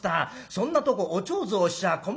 そんなとこおちょうずをしちゃあ困りますよ』